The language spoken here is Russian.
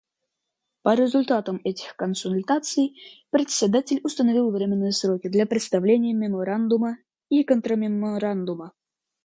По результатам этих консультаций Председатель установил временные сроки для представления меморандума и контрмеморандума.